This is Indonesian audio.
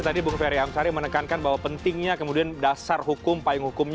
tadi bu ferry amsari menekankan bahwa pentingnya kemudian dasar hukum paling hukum